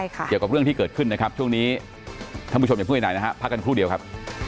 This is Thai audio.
เกี่ยวกับเรื่องที่เกิดขึ้นนะครับช่วงนี้ท่านผู้ชมอย่าเพิ่งไปไหนนะฮะพักกันครู่เดียวครับ